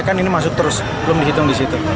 kan ini masuk terus belum dihitung di situ